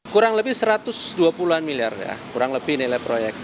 kurang lebih satu ratus dua puluh an miliar ya kurang lebih nilai proyek